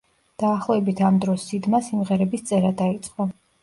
დაახლოებით ამ დროს სიდმა სიმღერების წერა დაიწყო.